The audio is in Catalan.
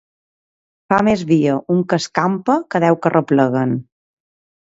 Fa més via un que escampa que deu que repleguen.